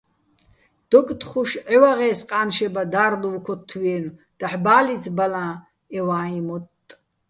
დოკთხუშ ჺევაღე́ს ყა́ნშება და́რდუვ ქოთთვიენო̆: დაჰ̦ ბა́ლიც ბალაჼ ე ვა́იჼ მოტტ.